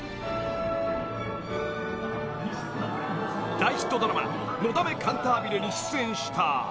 ［大ヒットドラマ『のだめカンタービレ』に出演した］